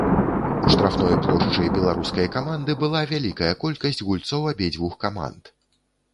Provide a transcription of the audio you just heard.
У штрафной плошчы беларускай каманды была вялікая колькасць гульцоў абедзвюх каманд.